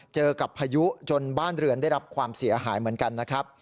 เจอกับพายุจนบ้านเรือนได้รับความเสียหายเหมือนกันนะครับ